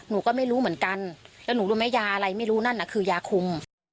หนูก็ไม่รู้เหมือนกันแล้วหนูรู้ไหมยาอะไรไม่รู้นั่นน่ะคือยาคุม